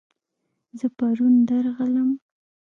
زه پرون درغلم